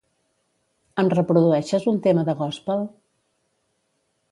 Em reprodueixes un tema de gòspel?